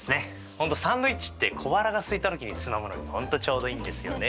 本当サンドイッチって小腹がすいた時につまむのに本当ちょうどいいんですよね。